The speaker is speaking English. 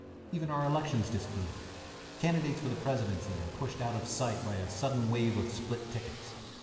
Even our elections disproved it. Candidates for the Presidency are pushed out of sight by a sudden wave of split tickets.